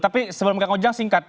tapi sebelum kang ujang singkat